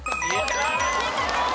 正解です。